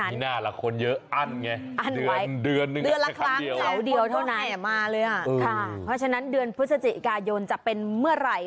เดือนหน้าละคนเยอะอันไงเดือน๑ครั้งเดียวเพราะฉะนั้นเดือนพฤศจิกายนจะเป็นเมื่อไหร่